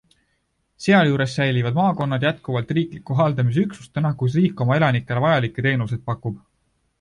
Sealjuures säilivad maakonnad jätkuvalt riikliku haldamise üksustena, kus riik oma elanikele vajalikke teenuseid pakub.